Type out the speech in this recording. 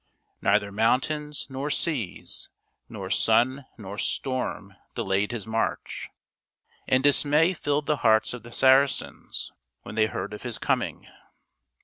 Neither mountains nor seas nor sun nor storm delayed his march; and dismay filled the hearts of the Saracens when they heard of his coming.